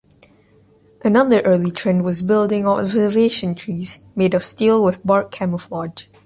Another early trend was building observation trees, made of steel with bark camouflage.